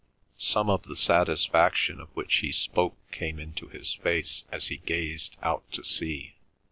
Some of the satisfaction of which he spoke came into his face as he gazed out to sea.